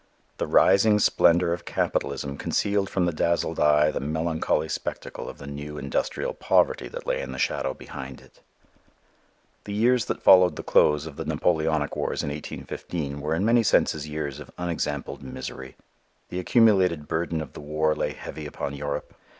The rising splendor of capitalism concealed from the dazzled eye the melancholy spectacle of the new industrial poverty that lay in the shadow behind it. The years that followed the close of the Napoleonic wars in 1815 were in many senses years of unexampled misery. The accumulated burden of the war lay heavy upon Europe.